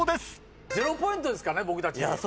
０ポイントですからね僕たち。